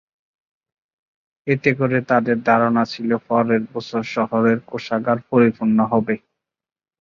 এতে করে তাদের ধারণা ছিল পরের বছর শহরের কোষাগার পরিপূর্ণ হবে।